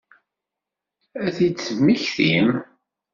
Ad t-id-temmektim?